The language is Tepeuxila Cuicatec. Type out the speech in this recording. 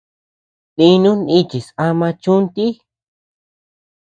Dinu nichis ama chúntii.